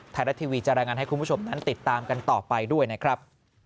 ไทยรัฐทีวีจะรายงานให้คุณผู้ชมนั้นติดตามกันต่อไปด้วยนะครับ